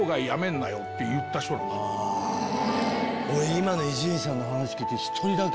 今の伊集院さんの話聞いて。